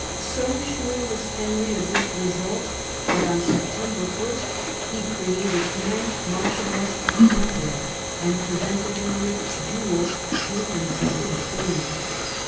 So sure was Henry of this result that on September i he created Anne Marchioness of Pembroke, and presented her with jewels taken from the Queen.